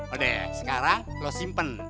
udah sekarang lo simpen